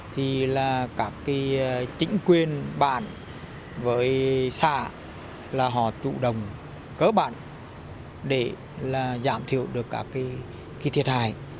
thì là các cái chính quyền bạn với xã là họ chủ động cơ bản để là giảm thiểu được các cái thiệt hại